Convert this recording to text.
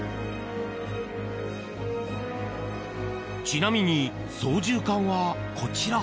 ちなみに操縦桿はこちら。